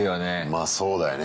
まあそうだよね。